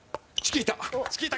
チキータ。